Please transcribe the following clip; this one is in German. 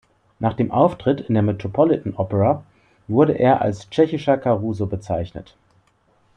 Nach dem Auftritt in der Metropolitan Opera wurde er als "tschechischer Caruso" bezeichnet.